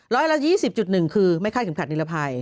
ร้อยละ๒๐๑คือไม่คาดเข็มขัดนิรภัย